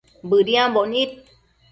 Bëdiambo nid